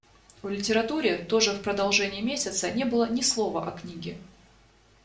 В литературе тоже в продолжение месяца не было ни слова о книге.